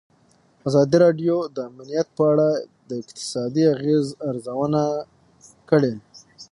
ازادي راډیو د امنیت په اړه د اقتصادي اغېزو ارزونه کړې.